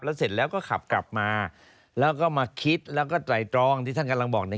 แล้วเสร็จแล้วก็ขับกลับมาแล้วก็มาคิดแล้วก็ไตรตรองที่ท่านกำลังบอกใน